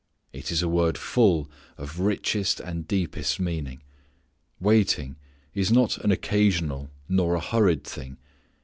It is a word full of richest and deepest meaning. Waiting is not an occasional nor a hurried thing.